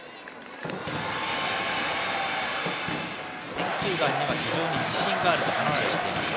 選球眼には非常に自信があると話していました